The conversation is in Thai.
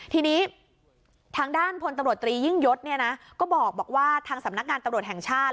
ทีนี้ทางด้านพลตำรวจตรียิ่งยศก็บอกว่าทางสำนักงานตำรวจแห่งชาติ